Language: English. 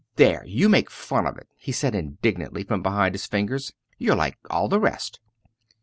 "There! you make fun of it!" he said indignantly from behind his fingers "you're like all the rest."